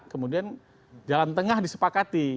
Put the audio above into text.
kemudian jalan tengah disepakati